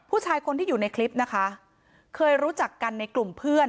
ผู้ชายคนที่อยู่ในคลิปนะคะเคยรู้จักกันในกลุ่มเพื่อน